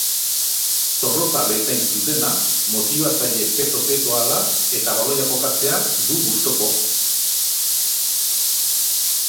Zorrotza bezain zuzena, motibatzaile peto-petoa da eta baloia jokatzea du gustuko.